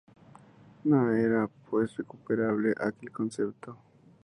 No era pues recuperable aquel concepto.